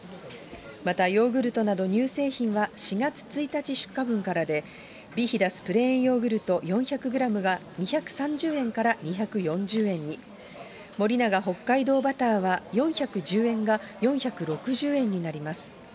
またヨーグルトなど乳製品は、４月１日出荷分からで、ビヒダスプレーンヨーグルト４００グラムは２３０円から２４０円に、森永北海道バターは４１０円が４６０円になります。